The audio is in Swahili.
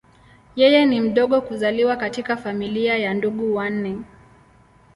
Yeye ni mdogo kuzaliwa katika familia ya ndugu wanne.